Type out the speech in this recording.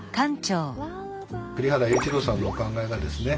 栗原榮一朗さんのお考えがですね